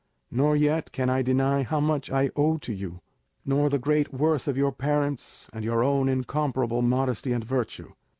Nor yet can I deny how much I owe to you, nor the great worth of your parents and your own incomparable modesty and virtue.